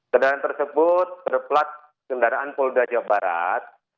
kendaraan tersebut berplat kendaraan polda jawa barat